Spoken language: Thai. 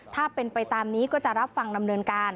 ถ้าเป็นไปตามนี้ก็จะรับฟังดำเนินการ